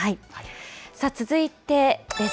続いてです。